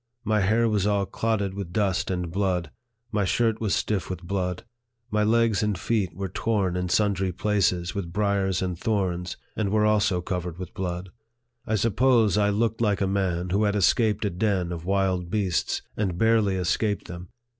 My hair was all clotted with dust and blood ; my shirt was stiff with blood. My legs and feet were torn in sundry places with briers and thorns, and were also covered with blood. I suppose I looked like a man who had escaped a den of wild beasts, and barely escaped them.